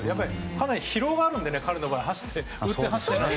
かなり疲労があるので彼の場合、打って、走って。